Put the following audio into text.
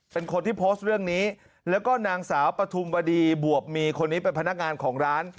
เป็นคนที่โพสต์เรื่องนี้แล้วก็นางสาวปฐุมวดีบวบมีคนนี้เป็นพนักงานของร้าน